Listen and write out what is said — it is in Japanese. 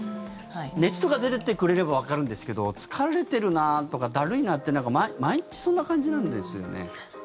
熱とか出ててくれればわかるんですけど疲れているなとか、だるいなって毎日そんな感じなんですよね。